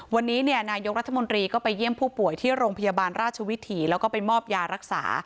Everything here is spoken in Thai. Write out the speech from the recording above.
วันนี้นายกรัฐมนตรีก็ไปเยี่ยมผู้ป่วยที่โรงพยาบาลราชวิถีแล้วก็ไปมอบยารักษา